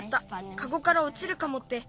カゴからおちるかもって。